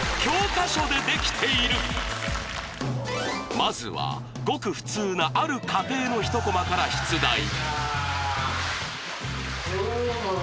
まずはごく普通なある家庭の一コマから出題ふう！